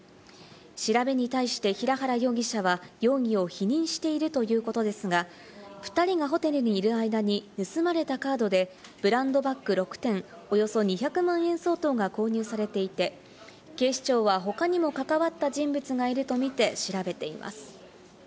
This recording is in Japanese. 調べに対して、平原容疑者は容疑を否認しているということですが、２人がホテルにいる間に盗まれたカードでブランドバック６点、およそ２００万円相当が購入されていて、警視庁は他にも関わった人物がいるとみて調べています。